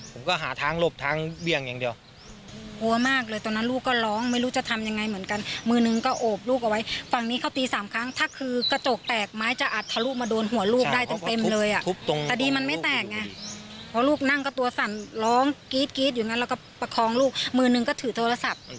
ผมก็หาทางหลบทางเบี่ยงอย่างเดียวกลัวมากเลยตอนนั้นลูกก็ร้องไม่รู้จะทำยังไงเหมือนกันมือนึงก็โอบลูกเอาไว้ฝั่งนี้เขาตีสามครั้งถ้าคือกระจกแตกไม้จะอัดทะลุมาโดนหัวลูกได้เต็มเต็มเลยอ่ะทุบตรงคดีมันไม่แตกไงเพราะลูกนั่งก็ตัวสั่นร้องกรี๊ดกรี๊ดอยู่นั้นแล้วก็ประคองลูกมือนึงก็ถือโทรศัพท์